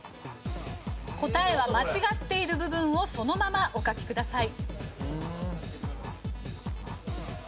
答えは間違っている部分をそのままお書きください。